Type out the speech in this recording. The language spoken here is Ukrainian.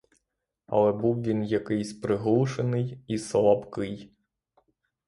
Але був він якийсь приглушений і слабий.